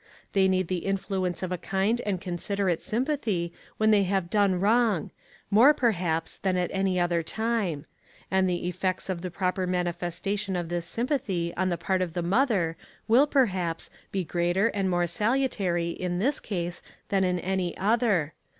They need the influence of a kind and considerate sympathy when they have done wrong, more, perhaps, than at any other time; and the effects of the proper manifestation of this sympathy on the part of the mother will, perhaps, be greater and more salutary in this case than in any other.